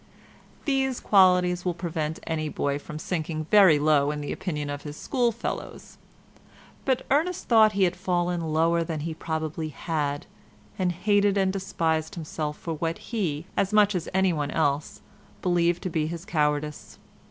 These qualities will prevent any boy from sinking very low in the opinion of his schoolfellows; but Ernest thought he had fallen lower than he probably had, and hated and despised himself for what he, as much as anyone else, believed to be his cowardice.